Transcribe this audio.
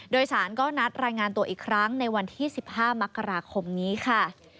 โดยสารก็นัดรายงานตัวอีกครั้งในวันที่๑๕มกราคมนี้ค่ะ